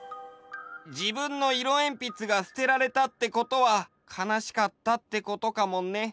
じぶんのいろえんぴつがすてられたってことはかなしかったってことかもね。